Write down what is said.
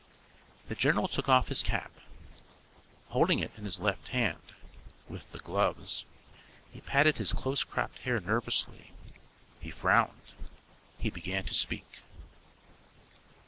The general took off his cap. Holding it in his left hand (with the gloves) he patted his close cropped hair nervously. He frowned. He began to speak.